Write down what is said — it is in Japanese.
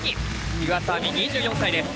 湯浅亜実２４歳です。